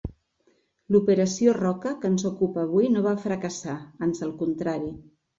L'operació Roca que ens ocupa avui no va fracassar, ans al contrari.